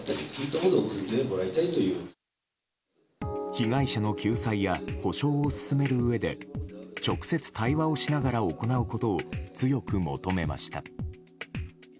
被害者の救済や補償を進めるうえで直接対話をしながら行うことを強く求めました。